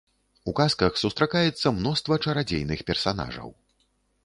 У казках сустракаецца мноства чарадзейных персанажаў.